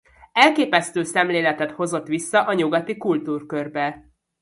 Elképesztő szemléletet hozott vissza a nyugati kultúrkörbe.